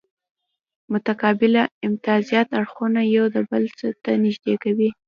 متقابل امتیازات اړخونه یو بل ته نږدې کوي